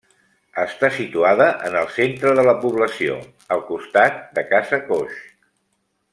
Està situada en el centre de la població, al costat de Casa Coix.